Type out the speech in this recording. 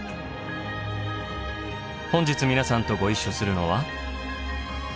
本日皆さんとご一緒するのは。